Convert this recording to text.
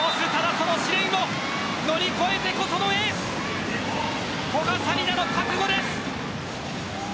この試練を乗り越えてこそのエース古賀紗理那の覚悟です。